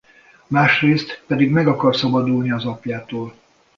Másrészt pedig meg akar szabadulni az apjától.